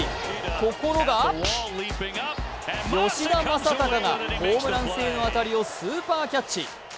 ところが吉田正尚がホームラン性の当たりをナイスキャッチ。